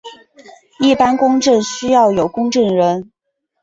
一般公证需要有公证人。